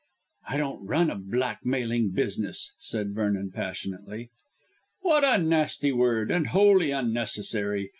"I don't run a blackmailing business," said Vernon passionately. "What a nasty word, and wholly unnecessary.